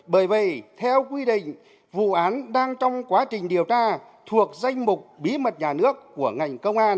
bởi vậy theo quy định vụ án đang trong quá trình điều tra thuộc danh mục bí mật nhà nước của ngành công an